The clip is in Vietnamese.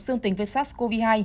dương tính với sars cov hai